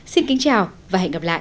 xin kính chào và hẹn gặp lại